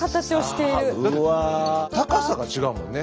高さが違うもんね。